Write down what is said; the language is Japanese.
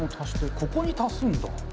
ここに足すんだ。